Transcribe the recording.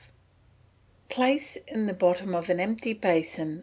] Place in the bottom of an empty basin (Fig.